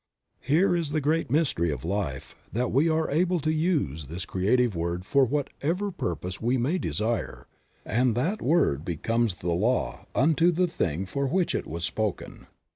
Here is the great mystery of life, that we are able to use this creative word for whatever purpose we may desire, and that word becomes the Law unto the thing for which it was spoken.